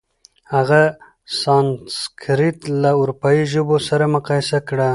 هغه سانسکریت له اروپايي ژبو سره مقایسه کړه.